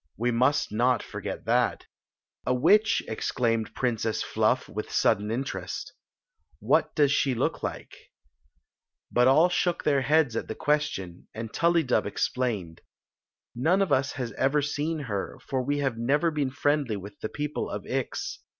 "We must not forget that." " A witch !" exclaimed Princess Fluff, with sudden interest. " What does she look like ?" But all shook their heads at die question, and Tul lydub explained : Story of the Magic Cloak 163 " None of us has ever seen her, for we have never been friendly with the people of Ix.